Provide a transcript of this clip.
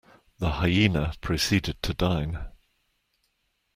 The hyena proceeded to dine.